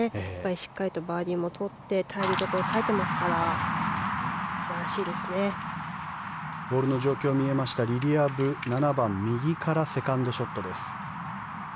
しっかりとバーディーも取って耐えるところを耐えてますからボールの状況が見えましたリリア・ブ、７番右からセカンドショットです。